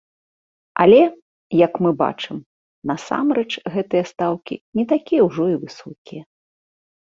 Але, як мы бачым, насамрэч гэтыя стаўкі не такія ўжо і высокія.